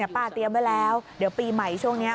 เตรียมไว้แล้วเดี๋ยวปีใหม่ช่วงนี้